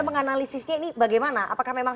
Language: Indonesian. menganalisisnya ini bagaimana apakah memang